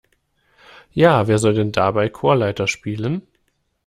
Ja, wer soll denn dabei Chorleiter spielen?